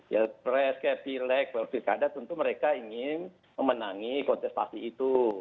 ya pres kepileg belk firkadat tentu mereka ingin memenangi kontestasi itu